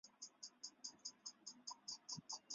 厄克维勒人口变化图示